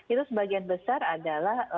itu sebagian besar adalah